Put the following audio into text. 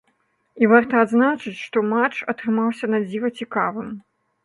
І варта адзначыць, што матч атрымаўся надзіва цікавым.